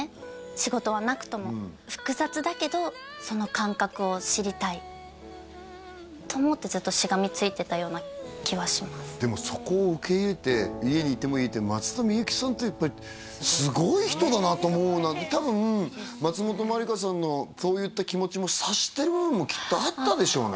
仕事はなくとも複雑だけどその感覚を知りたいと思ってような気はしますでもそこを受け入れて家にいてもいいって松田美由紀さんってやっぱりすごい人だなと思うな多分松本まりかさんのそういった気持ちも察してる部分もきっとあったでしょうね